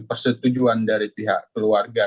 persetujuan dari pihak keluarga